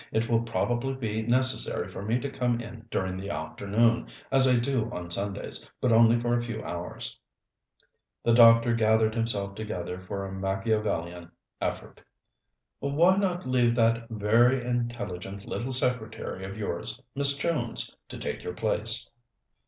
It will probably be necessary for me to come in during the afternoon, as I do on Sundays, but only for a few hours." The doctor gathered himself together for a Machiavellian effort. "Why not leave that very intelligent little secretary of yours, Miss Jones, to take your place?"